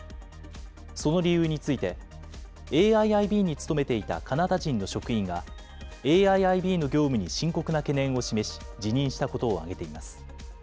その理由について、ＡＩＩＢに勤めていたカナダ人の職員が、ＡＩＩＢの業務に深刻な懸念を示し、辞任したことを挙げています。